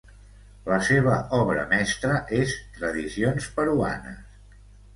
La seva obra mestra és "Tradicions peruanes".